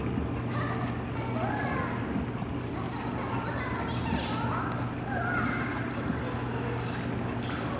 あっそうだキュアスタの卵サンド見たよはわっ！